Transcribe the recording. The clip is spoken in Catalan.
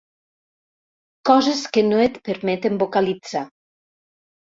Coses que no et permeten vocalitzar.